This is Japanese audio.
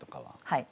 はい。